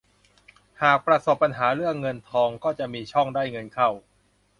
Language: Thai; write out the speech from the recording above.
หากประสบปัญหาเรื่องเงินทองก็จะมีช่องได้เงินเข้า